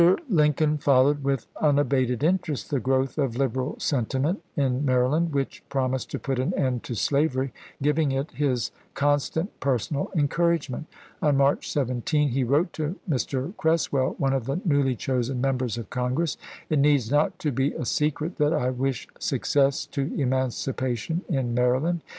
Lincoln followed with unabated interest the growth of liberal sentiment in Maryland which promised to put an end to slavery, giving it his constant personal encouragement. On March 17 he wrote to Mr. Creswell, one of the newly chosen members of Congress, " It needs not to be a secret that I wish success to emancipation in Maryland.